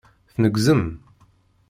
Tneggzem.